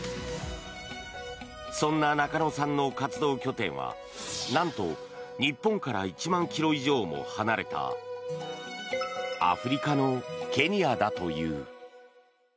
そんな中野さんの活動拠点はなんと、日本から１万ｋｍ以上も離れたアフリカのケニアだという。